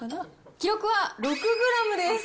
記録は６グラムです。